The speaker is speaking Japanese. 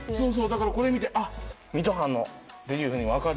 だからこれ見てあっ水戸藩の！っていうふうに分かる。